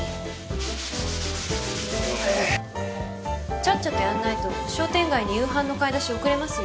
ちゃっちゃとやらないと商店街に夕飯の買い出し遅れますよ。